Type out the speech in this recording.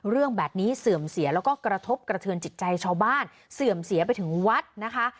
เรื่องแบบนี้เสื่อมเสียแล้วก็กระทบกระเทือนจิตใจชาวบ้านเสื่อมเสียไปถึงวัดนะคะ